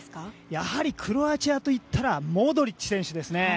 やはりクロアチアといったらモドリッチ選手ですね。